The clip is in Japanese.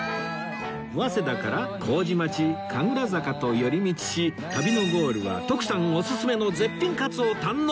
早稲田から麹町神楽坂と寄り道し旅のゴールは徳さんおすすめの絶品かつを堪能！